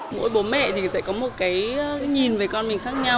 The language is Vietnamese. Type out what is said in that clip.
mỗi bố mẹ thì sẽ có một cái nhìn về con mình khác nhau